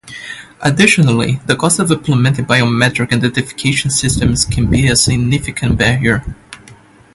Additionally, the cost of implementing biometric identification systems can be a significant barrier.